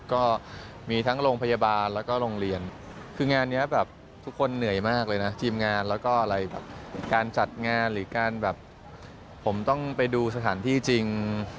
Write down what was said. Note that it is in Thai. ก็มีทั้งโรงพยาบาลแล้วก็โรงเรียนคืองานนี้แบบทุกคนเหนื่อยมากเลยนะทีมงานแล้วก็อะไรแบบการจัดงานหรือการแบบผมต้องไปดูสถานที่จริง